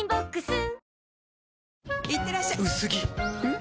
ん？